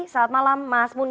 selamat malam mas muni